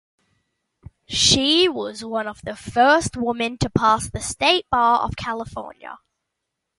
She was one of the first woman to pass the State Bar of California.